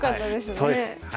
そうです。